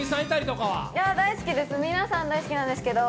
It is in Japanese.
大好きです、皆さん大好きなんですけど。